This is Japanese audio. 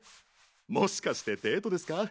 もしかしてデートですか？